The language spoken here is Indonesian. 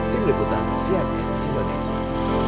tim liputan siang indonesia